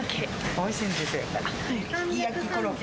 おいしいんですよ。